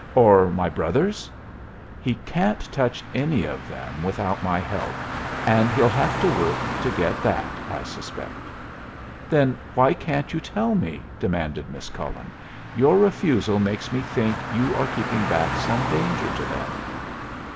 "Or my brothers?" "He can't touch any of them without my help. And he'll have work to get that, I suspect." "Then why can't you tell me?" demanded Miss Cullen. "Your refusal makes me think you are keeping back some danger to them."